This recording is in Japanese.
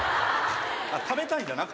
食べたいんじゃなくて？